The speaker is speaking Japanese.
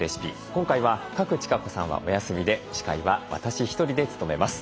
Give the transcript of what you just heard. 今回は賀来千香子さんはお休みで司会は私１人で務めます。